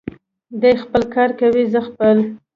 دی خپل کار کوي، زه خپل.